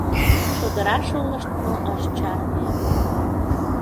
Чодыра шолыштмо ыш чарне.